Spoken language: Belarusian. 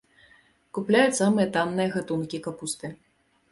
Купляюць самыя танныя гатункі капусты.